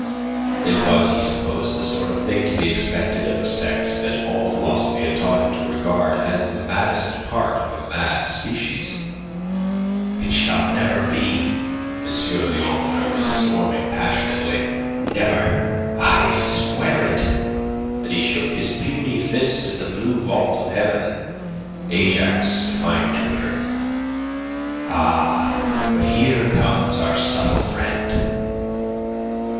It was, he supposed, the sort of thing to be expected of a sex that all philosophy had taught him to regard as the maddest part of a mad species. "It shall never be!" M. Leandre was storming passionately. "Never! I swear it!" And he shook his puny fist at the blue vault of heaven Ajax defying Jupiter. "Ah, but here comes our subtle friend..."